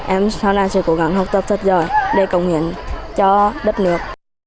em sau này sẽ cố gắng học tập thật giỏi để cống hiến cho đất nước